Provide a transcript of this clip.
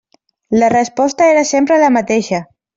La resposta era sempre la mateixa.